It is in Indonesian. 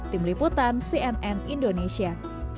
tim liputan cnn indonesia